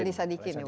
pak ali sadikin